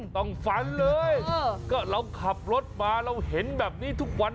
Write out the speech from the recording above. ต้องฝันเลยก็เราขับรถมาเราเห็นแบบนี้ทุกวัน